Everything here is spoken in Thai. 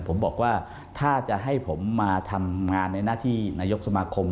ผมบอกว่าถ้าจะให้ผมมาทำงานในหน้าที่นายกสมาคม